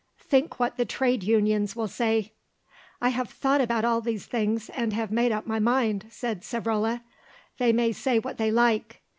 "Think what the Trade Unions will say." "I have thought about all these things and have made up my mind," said Savrola. "They may say what they like.